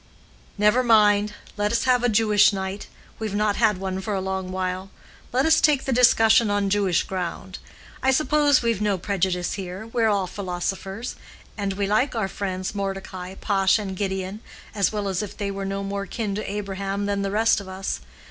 "Never mind. Let us have a Jewish night; we've not had one for a long while. Let us take the discussion on Jewish ground. I suppose we've no prejudice here; we're all philosophers; and we like our friends Mordecai, Pash, and Gideon, as well as if they were no more kin to Abraham than the rest of us.